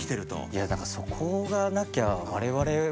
いやだからそこがなきゃ我々は。